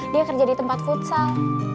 dia kerja di tempat futsal